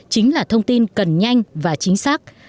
chính là thông tin cần nhanh và chính xác